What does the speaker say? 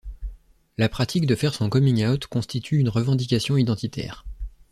La pratique de faire son coming out constitue une revendication identitaire.